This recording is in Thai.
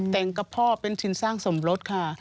แต่งกับพ่อเป็นสินสร้างสมรสค่ะ